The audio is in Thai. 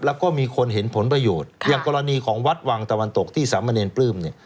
แล้วก็มีคนเห็นผลประโยชน์อย่างกรณีของวัดวังตะวันตกที่สามเณรปลื้มเนี่ย